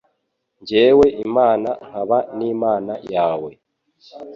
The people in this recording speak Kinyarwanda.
jyewe Imana nkaba n’Imana yawe